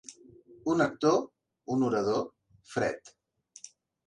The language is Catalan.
Un actor, un orador, fred.